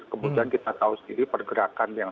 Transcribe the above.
kemudian kita tahu sendiri pergerakan yang